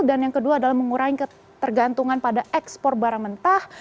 dan yang kedua adalah mengurangi ketergantungan pada ekspor barang mentah